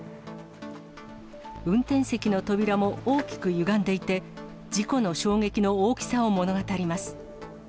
運転席の扉も大きくゆがんでいて、事故の衝撃の大きさを物語ります。